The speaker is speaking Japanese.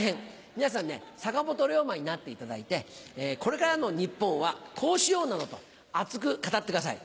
皆さんに坂本龍馬になっていただいてこれからの日本はこうしようなどと熱く語ってください。